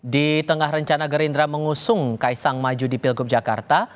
di tengah rencana gerindra mengusung kaisang maju di pilgub jakarta